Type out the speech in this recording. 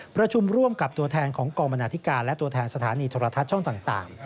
ประชุมร่วมกับตัวแทนของกองบรรณาธิการและตัวแทนสถานีโทรทัศน์ช่องต่าง